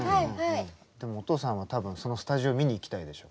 でもお父さんは多分そのスタジオ見に行きたいでしょ。